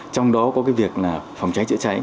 trong đó có cái việc là phòng cháy chữa cháy